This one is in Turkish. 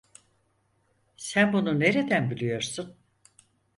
Sen bunu nereden biliyorsun?